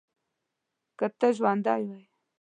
که ته ژوندی وای.